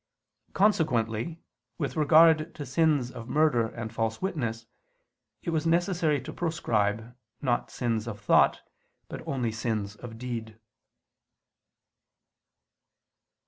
Consequently with regard to sins of murder and false witness, it was necessary to proscribe, not sins of thought, but only sins of deed.